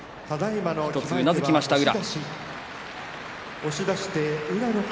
１つうなずきました宇良。